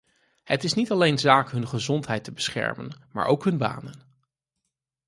Het is niet alleen zaak hun gezondheid te beschermen, maar ook hun banen.